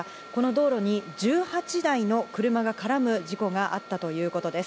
この道路に１８台の車が絡む事故があったということです。